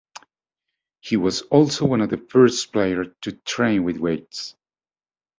He was also one of the first players to train with weights.